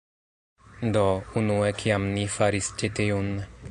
Do, unue kiam ni faris ĉi tiun...